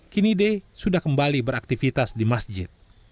kini d sudah kembali beraktivitas di masjid